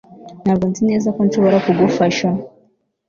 ntabwo nzi neza ko nshobora kugufasha